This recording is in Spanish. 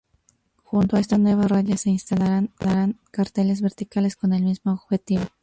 Junto a esta nueva raya se instalarán carteles verticales con el mismo objetivo.